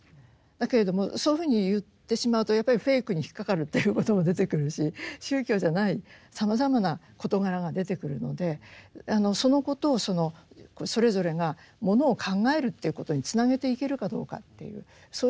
だけれどもそういうふうに言ってしまうとやっぱりフェイクに引っ掛かるということも出てくるし宗教じゃないさまざまな事柄が出てくるのでそのことをそれぞれがものを考えるっていうことにつなげていけるかどうかっていうそういうことが問われてると思いますね。